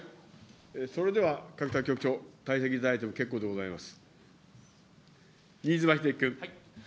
それでは、かくた局長、退席いただいても結構でございます。